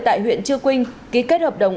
tại huyện chia quynh ký kết hợp đồng